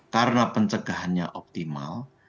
karena pencegahannya optimal